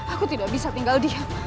aku tidak bisa tinggal diam